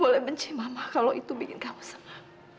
boleh benci mama kalau itu bikin kamu senang